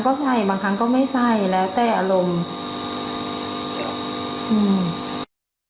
ก็ใช่บางครั้งก็ไม่ใช้และแปบอารมณ์